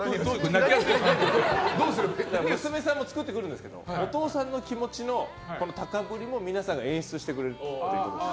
娘さんが作ってくれるんですがお父さんの気持ちの高ぶりを皆さんが演出してくれると。